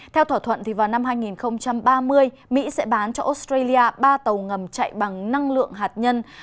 theo thỏa thuận vào năm hai nghìn ba mươi mỹ sẽ bán cho australia ba tàu ngầm chạy bằng năng lượng hạt nhân